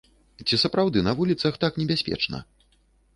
Ці сапраўды на вуліцах так небяспечна?